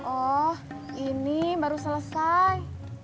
oh ini baru selesai